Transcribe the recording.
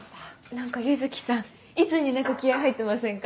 何か柚木さんいつになく気合入ってませんか？